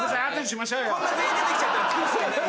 こんな全員出てきちゃったらそうですよね。